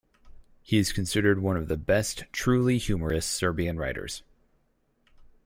He is considered one of the best truly humorous Serbian writers.